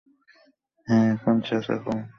হ্যাঁ, এখন চেঁচা কম।